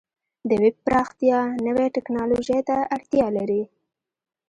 د ویب پراختیا نوې ټکنالوژۍ ته اړتیا لري.